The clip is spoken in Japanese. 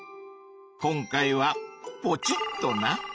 今回はポチッとな！